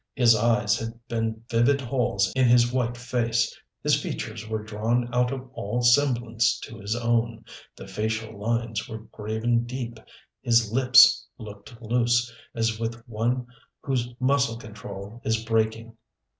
His eyes had been vivid holes in his white face, his features were drawn out of all semblance to his own, the facial lines were graven deep. His lips looked loose, as with one whose muscle control is breaking.